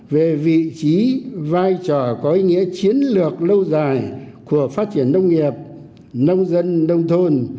về vị trí vai trò có ý nghĩa chiến lược lâu dài của phát triển nông nghiệp nông dân nông thôn